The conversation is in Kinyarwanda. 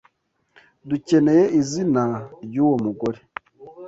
Dukeneye izina ryuwo mugore